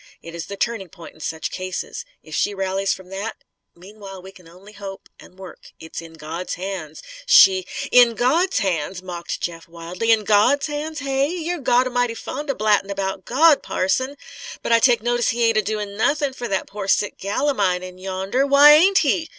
It is the turning point in such cases. If she rallies from that Meanwhile we can only hope and work. It is in God's hands. She " "In Gawd's hands!" mocked Jeff, wildly. "In Gawd's hands, hey? You're Gawd a'mighty fond of blattin' 'bout Gawd, parson! But I take notice He ain't a doin' nothin' fer that pore sick gal of mine, in yonder. Why ain't He?